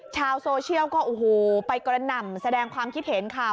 ชาวโซเชียลก็โอ้โหไปกระหน่ำแสดงความคิดเห็นค่ะ